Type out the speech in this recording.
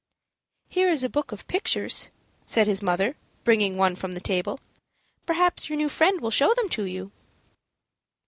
"Here is a book of pictures," said his mother, bringing one from the table. "Perhaps your new friend will show them to you."